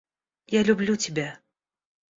Я люблю тебя.